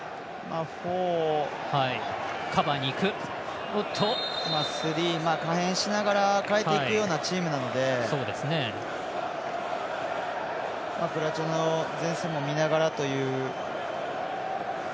フォー、スリー可変しながら変えていくようなチームなのでクロアチアの前線を見ながらという。